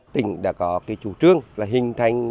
tỉnh đã có cái chủ trương là hình thành